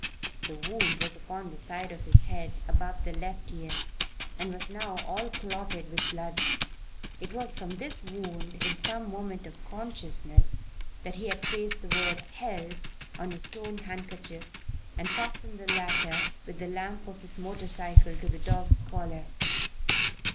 The wound was upon the side of his head above the left ear and was now all clotted with blood. It was from this wound, in some moment of consciousness, that he had traced the word "Help" on his torn handkerchief, and fastened the latter, with the lamp of his motorcycle, to the dog's collar.